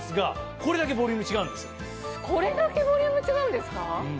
これだけボリューム違うんですか。